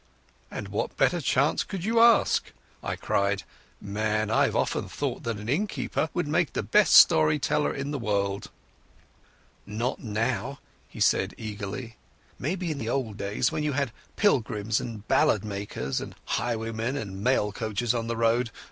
"And what better chance could you ask?" I cried. "Man, I've often thought that an innkeeper would make the best story teller in the world." "Not now," he said eagerly. "Maybe in the old days when you had pilgrims and ballad makers and highwaymen and mail coaches on the road.